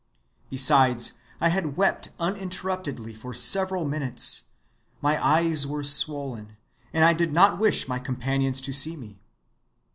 Besides, I had wept uninterruptedly for several minutes, my eyes were swollen, and I did not wish my companions to see me.